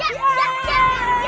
maaf kang ini perjanjiannya